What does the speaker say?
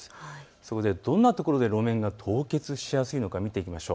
そこでどんなところで路面が凍結してしやすいか見ていきましょう。